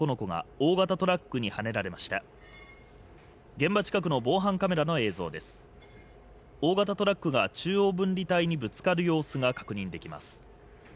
大型トラックが中央分離帯にぶつかる様子が確認できます。